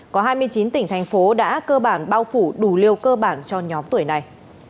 có hai mươi chín tỉnh thành phố đã cơ bản bao phủ đủ liều cơ bản cho nhóm tuổi này